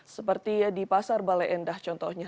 seperti di pasar bale endah contohnya